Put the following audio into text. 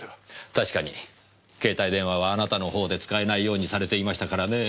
確かに携帯電話はあなたの方で使えないようにされていましたからねえ。